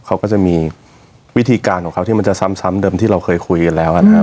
เขาก็จะมีวิธีการของเขาที่มันจะซ้ำเดิมที่เราเคยคุยกันแล้วนะครับ